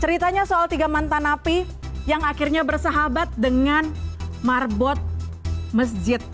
ceritanya soal tiga mantan napi yang akhirnya bersahabat dengan marbot masjid